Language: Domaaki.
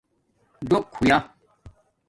ڈوک ہویا